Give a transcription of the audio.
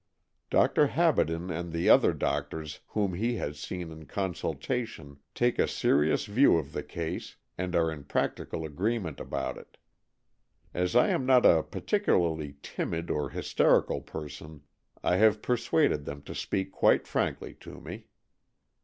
Dr. Habaden and the other doctors whom he has seen in consultation take a serious view of the case and are in practical agreement about it. As I am not a particularly timid or hysterical person, I have persuaded them to speak quite frankly to me.